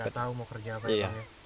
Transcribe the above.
nggak tahu mau kerja apa ya